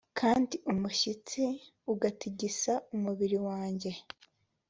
kandi umushyitsi ugatigisa umubiri wanjye